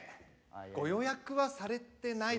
ご予約はされてないですよね？